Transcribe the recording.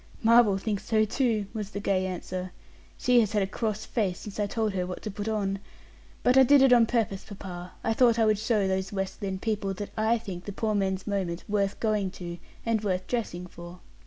"Marvel thinks so, too," was the gay answer; "she has had a cross face since I told her what to put on. But I did it on purpose, papa; I thought I would show those West Lynne people that I think the poor man's moment worth going to, and worth dressing for."